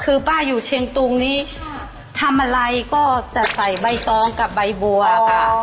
คือป้าอยู่เชียงตุงนี้ทำอะไรก็จะใส่ใบตองกับใบบัวค่ะ